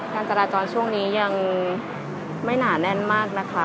การจราจรช่วงนี้ยังไม่หนาแน่นมากนะคะ